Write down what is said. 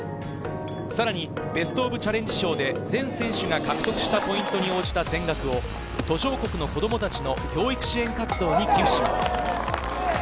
さらにベストオブチャレンジ賞で全選手が獲得したポイントに応じた全額を途上国の子供たちの教育支援活動に寄付します。